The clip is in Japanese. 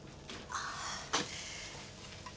ああ。